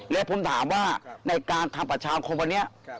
และผมถามว่าในการทำประชาคมพอเนี่ย